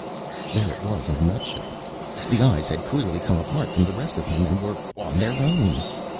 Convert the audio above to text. _ There it was in a nutshell. The eyes had clearly come apart from the rest of him and were on their own.